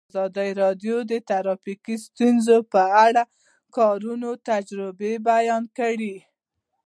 ازادي راډیو د ټرافیکي ستونزې په اړه د کارګرانو تجربې بیان کړي.